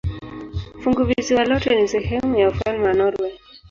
Funguvisiwa lote ni sehemu ya ufalme wa Norwei.